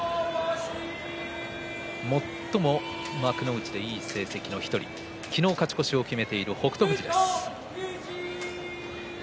最も幕内でいい成績の１人昨日、勝ち越しを決めている北勝富士です。